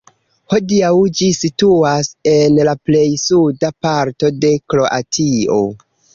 Hodiaŭ ĝi situas en la plej suda parto de Kroatio.